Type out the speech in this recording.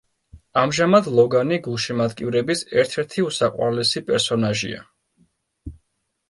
ამჟამად ლოგანი გულშემატკივრების ერთ-ერთი უსაყვარლესი პერსონაჟია.